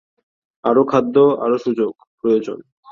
আরও খাদ্য, আরও সুযোগ প্রয়োজন।